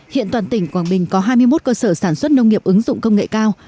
hiện toàn tỉnh quảng bình có hai mươi một cơ sở sản xuất nông nghiệp ứng dụng công nghệ cao